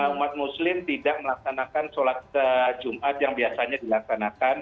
umat muslim tidak melaksanakan sholat jumat yang biasanya dilaksanakan